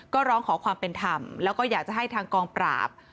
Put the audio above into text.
ก็ร้องขอความเป็นธรรมแล้วก็อยากจะให้ทางกองปราบ